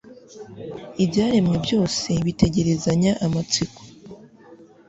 ibyaremwe byose bitegerezanya amatsiko